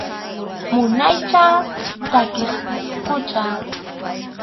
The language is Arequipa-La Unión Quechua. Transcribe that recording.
Munaycha takiq pisqucha.